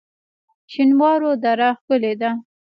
شینوارو دره ښکلې ده؟